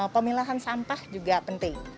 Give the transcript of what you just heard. pemilahan sampah juga penting